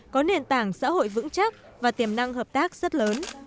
có nền tảng xã hội vững chắc và tiềm năng hợp tác rất lớn